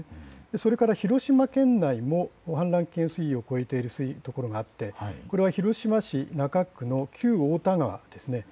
それから広島県内も氾濫危険水位を超えているところがあって、広島市中区の旧太田川です。